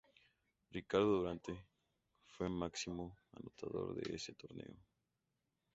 Ricardo Duarte fue máximo anotador de ese torneo.